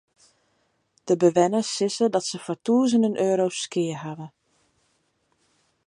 De bewenners sizze dat se foar tûzenen euro's skea hawwe.